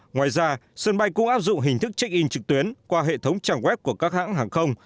ngoài ra sân bay cũng áp dụng hình thức check in trực tuyến qua hệ thống trang web của các hãng hàng không